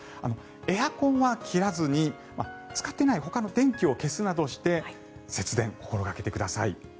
エアコンは切らずに使っていないほかの電気を消すなどして節電、心掛けてください。